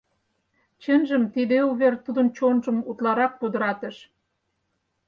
Чынжым, тиде увер тудын чонжым утларак пудыратыш.